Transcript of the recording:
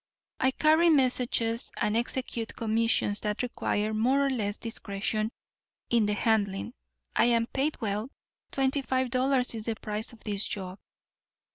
"I carry messages and execute commissions that require more or less discretion in the handling. I am paid well. Twenty five dollars is the price of this job."